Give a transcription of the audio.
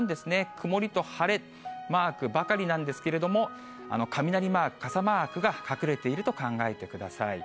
曇りと晴れ、マークばかりなんですけれども、雷マーク、傘マークが隠れていると考えてください。